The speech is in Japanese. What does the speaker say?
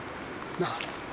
なあ。